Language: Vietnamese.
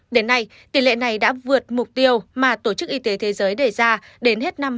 đến nay tỷ lệ này đã vượt mục tiêu mà tổ chức y tế thế giới đề ra đến hết năm hai nghìn hai mươi